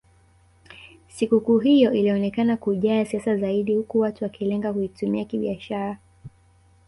Sikukuu hiyo ilionekana kujaa siasa zaidi huku watu wakilenga kuitumia kibiashara